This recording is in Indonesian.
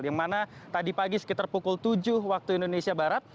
yang mana tadi pagi sekitar pukul tujuh waktu indonesia barat